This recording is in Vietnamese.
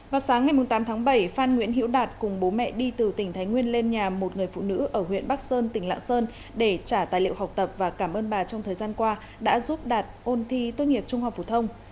vào sáng ngày tám tháng bảy phan nguyễn hiễu đạt cùng bố mẹ đi từ tỉnh thái nguyên lên nhà một người phụ nữ ở huyện bắc sơn tỉnh lạng sơn để trả tài liệu học tập và cảm ơn bà trong thời gian qua đã giúp đạt ôn thi tốt nghiệp trung học phổ thông